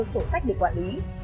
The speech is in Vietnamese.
sổ sách để quản lý